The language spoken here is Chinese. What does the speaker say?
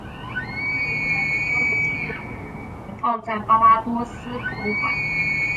唯一架起的标本现正存放在巴巴多斯博物馆。